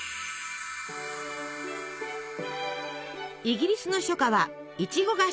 イギリスの初夏はいちごが旬！